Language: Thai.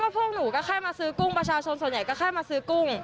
พวกหนูก็แค่มาซื้อกุ้งประชาชนส่วนใหญ่